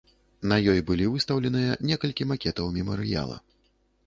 На ёй былі выстаўленыя некалькі макетаў мемарыяла.